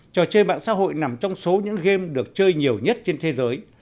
trò chơi mạng xã hội nằm trong số những game được chơi nhiều nhất trên thế giới